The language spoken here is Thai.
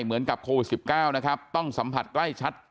เหมือนกับโควิด๑๙นะครับต้องสัมผัสใกล้ชัด